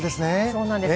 そうなんです。